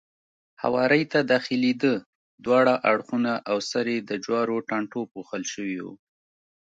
هوارۍ ته داخلېده، دواړه اړخونه او سر یې د جورو ټانټو پوښل شوی و.